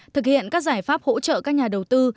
thực hiện các giải pháp hỗ trợ các nhà đầu tư